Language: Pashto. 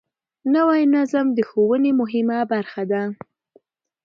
نوی نظم د ښوونې مهمه برخه ده